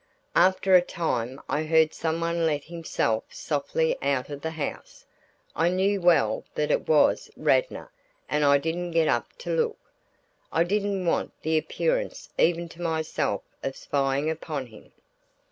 After a time I heard someone let himself softly out of the house; I knew well that it was Radnor and I didn't get up to look. I didn't want the appearance even to myself of spying upon him.